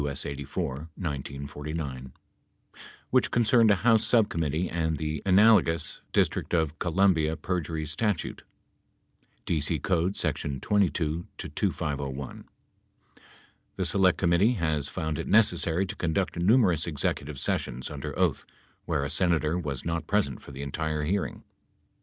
'S. 84 (1949) which con cerned a House subcommittee and the analogous District of Columbia perjury statute, D.C. Code section 22 2501. The Select Committee has found it necessary to conduct numerous executive sessions under oath where a Senator was not present for the entire hearing.